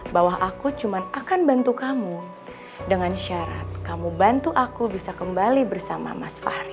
bahwa aku cuma akan bantu kamu dengan syarat kamu bantu aku bisa kembali bersama mas fahri